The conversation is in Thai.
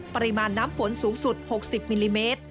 ปริมาณน้ำฝนสูงสุด๖๐มิลลิเมตร